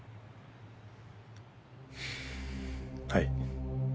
はい。